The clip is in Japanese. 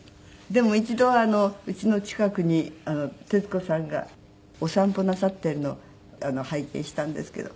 でも一度うちの近くに徹子さんがお散歩なさっているの拝見したんですけど。